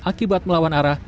akibat melawan arah